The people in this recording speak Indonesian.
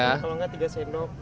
kalau enggak tiga sendok